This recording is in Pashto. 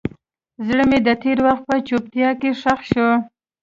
زړه مې د تېر وخت په چوپتیا کې ښخ شو.